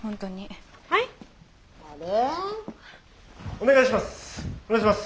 お願いします！